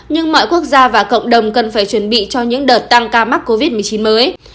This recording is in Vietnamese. nhưng mọi quốc gia và cộng đồng cần phải chuẩn bị cho những đợt tăng ca mắc covid một mươi chín mới